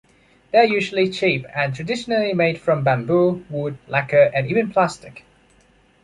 They are usually cheap and traditionally made from bamboo, wood, lacquer and even plastic.